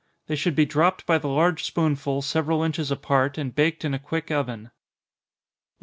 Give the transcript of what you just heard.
They should be dropped by the large spoonful several inches apart, and baked in a quick oven. 153.